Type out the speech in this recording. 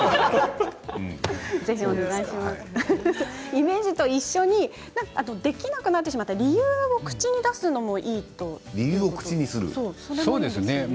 イメージと一緒にできなくなってしまった理由を口にするのもいいんだそうですね。